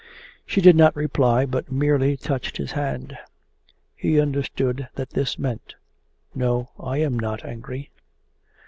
She did not reply but merely touched his hand. He understood that this meant: 'No, I am not angry.